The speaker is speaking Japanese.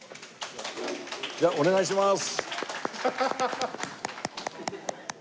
じゃあお願いします。